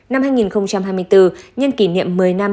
năm hai nghìn hai mươi bốn nhân kỷ niệm một mươi năm